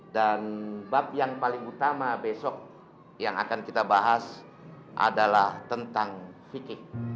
dan bab yang paling utama besok yang akan kita bahas adalah tentang fikir